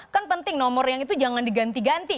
kan penting nomor yang itu jangan diganti ganti